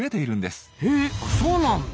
へあそうなんだ。